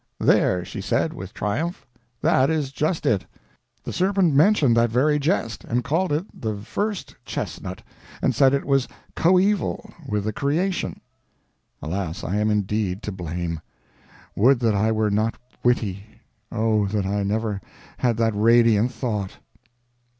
"There," she said, with triumph, "that is just it; the Serpent mentioned that very jest, and called it the First Chestnut, and said it was coeval with the creation." Alas, I am indeed to blame. Would that I were not witty; oh, that I had never had that radiant thought!